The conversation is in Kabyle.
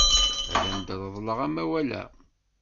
Ad am-reḍleɣ amawal-a.